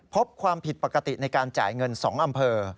พบความผิดปกติในการจ่ายเงิน๒อำเภอ